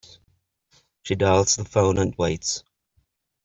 She dials the phone and waits.